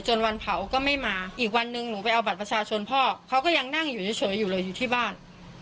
วันเผาก็ไม่มาอีกวันหนึ่งหนูไปเอาบัตรประชาชนพ่อเขาก็ยังนั่งอยู่เฉยอยู่เลยอยู่ที่บ้าน